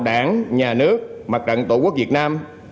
đảng nhà nước mặt trận tổ quốc việt nam